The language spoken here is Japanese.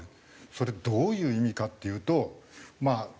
それどういう意味かっていうとまあ